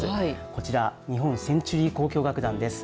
こちら、日本センチュリー交響楽団です。